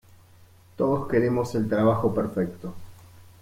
Todos queremos el trabajo perfecto.